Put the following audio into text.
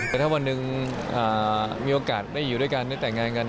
แต่ถ้าวันหนึ่งมีโอกาสได้อยู่ด้วยกันได้แต่งงานกัน